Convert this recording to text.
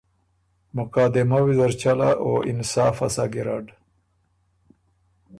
مقادمۀ ویزر چلا او انصافه سَۀ ګیرډ۔